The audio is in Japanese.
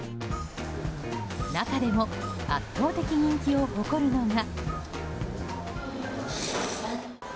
中でも、圧倒的人気を誇るのが。